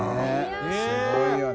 ねぇすごいよね。